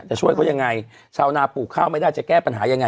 จะช่วยเขายังไงชาวนาปลูกข้าวไม่ได้จะแก้ปัญหายังไง